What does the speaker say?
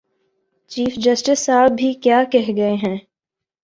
Chief justice صاحب بھی کیا کہہ گئے ہیں؟